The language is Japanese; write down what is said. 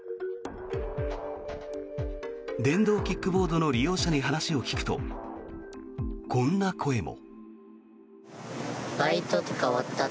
電動キックボードの利用者に話を聞くと、こんな声も。